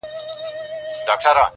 غنم ووېشه پر دواړو جوالونو-